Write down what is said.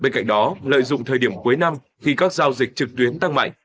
bên cạnh đó lợi dụng thời điểm cuối năm khi các giao dịch trực tuyến tăng mạnh